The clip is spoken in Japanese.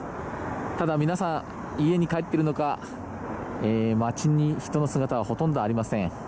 ただ、皆さん家に帰っているのか街に人の姿はほとんどありません。